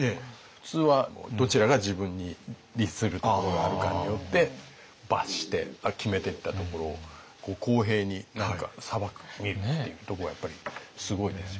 普通はどちらが自分に利するところがあるかによって罰して決めてったところを公平に裁く見るっていうとこがやっぱりすごいですよね。